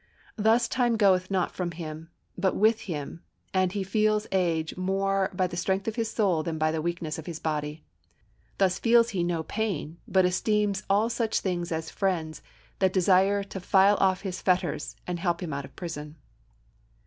Thus time goeth not from him, but with him, and he feels age more by the strength of his soul than by the weakness of his body. Thus feels he no pain, but esteems all such things as friends that desire to file off his fetters and help him out of prison."